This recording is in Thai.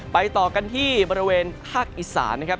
ต่อกันที่บริเวณภาคอีสานนะครับ